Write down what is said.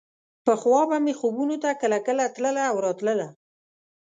پخوا به مې خوبونو ته کله کله تله او راتله.